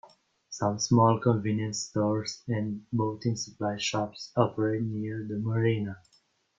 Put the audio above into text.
Some small convenience stores and boating supply shops operate near the marina.